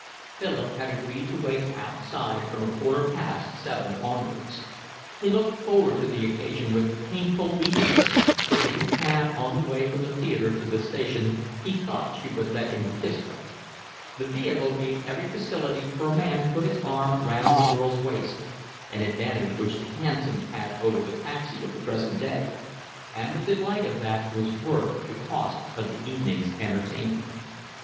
Philip had agreed to wait outside from a quarter past seven onwards. He looked forward to the occasion with painful eagerness, for in the cab on the way from the theatre to the station he thought she would let him kiss her. The vehicle gave every facility for a man to put his arm round a girl's waist (an advantage which the hansom had over the taxi of the present day), and the delight of that was worth the cost of the evening's entertainment.